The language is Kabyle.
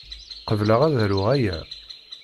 Qebleɣ ad aruɣ aya?